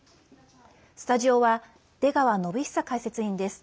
スタジオは出川展恒解説委員です。